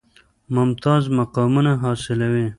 ممتاز مقامونه حاصلوي.